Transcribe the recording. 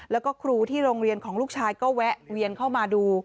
แล้วก็ครูที่โรงเรียนของลูกชายก็แวะเวียนเข้ามาดู